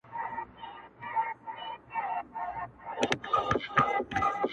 زړه د اسیا ومه ثاني جنت وم،